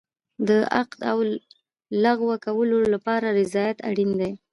د عقد او لغوه کولو لپاره رضایت اړین دی.